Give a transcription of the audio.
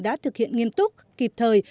đã thực hiện nghiêm túc kịp thời